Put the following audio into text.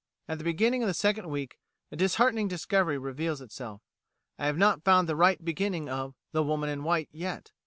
At the beginning of the second week a disheartening discovery reveals itself. I have not found the right beginning of 'The Woman in White' yet.